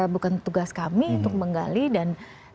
bukan tugas kami untuk menggali dan